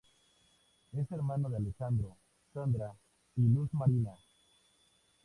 Es hermano de Alejandro, Sandra y Luz Marina.